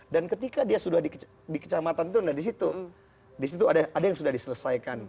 dan ketika dia sudah di kecamatan itu nah disitu ada yang sudah diselesaikan